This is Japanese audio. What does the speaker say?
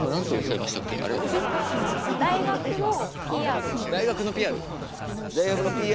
大学のＰＲ。